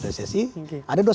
ada dua selamat yang diberikan